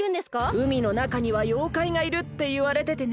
うみのなかにはようかいがいるっていわれててね。